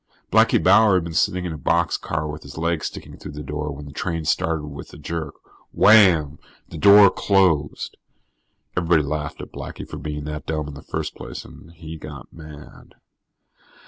Blackie Bauer had been sitting in a boxcar with his legs sticking through the door when the train started with a jerk. Wham, the door closed. Everybody laughed at Blackie for being that dumb in the first place, and he got mad.